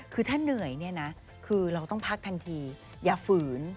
คือถ้าเหนื่อยเนี่ยนะคือเราต้องพักทันทีอย่าฝืน